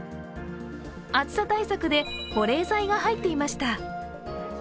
暑さ対策で保冷剤が入っていました。